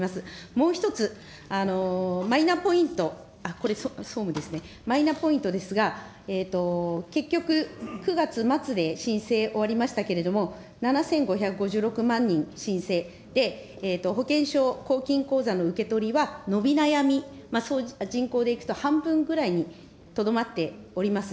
もう１つ、マイナポイント、これ総務ですね、マイナポイントですが、結局、９月末で申請終わりましたけれど、７５５６万人申請で、保険証、公金口座の受け取りは伸び悩み、人口でいくと半分ぐらいにとどまっております。